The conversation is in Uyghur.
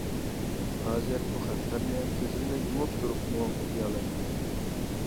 ھازىر بۇ خەتلەرنى كۆزۈمنى يۇمۇپ تۇرۇپمۇ ئوقۇيالايمەن.